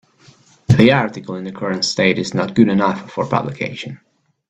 The article in the current state is not good enough for publication.